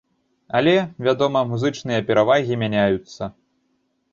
Але, вядома, музычныя перавагі мяняюцца.